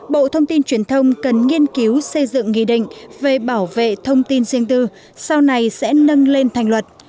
bộ thông tin truyền thông cần nghiên cứu xây dựng nghị định về bảo vệ thông tin riêng tư sau này sẽ nâng lên thành luật